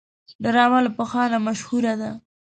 ډرامه له پخوا نه مشهوره ده